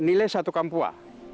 dan nilai satu kampua